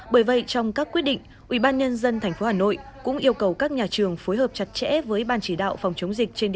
bởi vậy trong các quyết định ubnd tp hà nội cũng yêu cầu các nhà trường phối hợp chặt chẽ với ban chỉ đạo phòng chống dịch